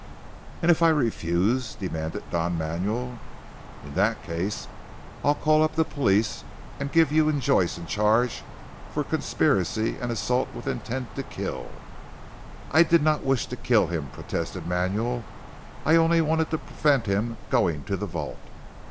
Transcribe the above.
"And if I refuse?" demanded Don Manuel. "In that case I'll call up the police and give you and Joyce in charge for conspiracy and assault with intent to kill." "I did not wish to kill him," protested Manuel, "I only wanted to prevent him going to the vault."